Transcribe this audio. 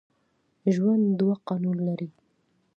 ژوند دوه قوانین لري.